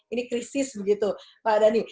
ini krisis begitu pak dhani